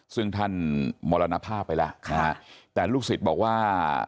ซึ่งท่านมรณภาพไปแล้วนะฮะแต่ลูกศิษย์บอกว่า